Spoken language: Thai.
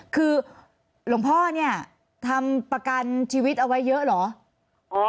คือหลวงพ่อเนี่ยทำประกันชีวิตเอาไว้เยอะเหรอ